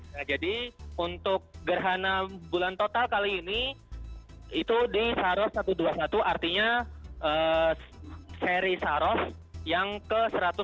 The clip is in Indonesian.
nah jadi untuk gerhana bulan total kali ini itu di saros satu ratus dua puluh satu artinya seri saros yang ke satu ratus dua puluh